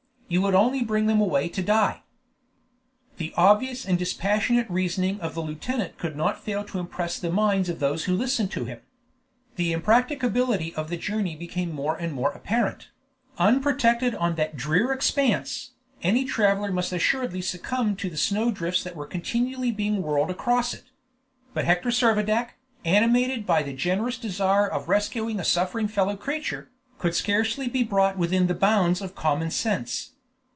you would only bring them away to die." The obvious and dispassionate reasoning of the lieutenant could not fail to impress the minds of those who listened to him; the impracticability of the journey became more and more apparent; unprotected on that drear expanse, any traveler must assuredly succumb to the snow drifts that were continually being whirled across it. But Hector Servadac, animated by the generous desire of rescuing a suffering fellow creature, could scarcely be brought within the bounds of common sense.